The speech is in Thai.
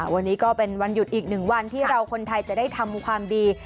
วันนี้ก็เป็นวันหยุดอีกหนึ่งวันที่เราคนไทยจะได้ทำความดี